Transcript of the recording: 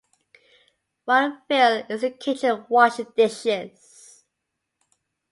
While Phil is in the kitchen washing dishes.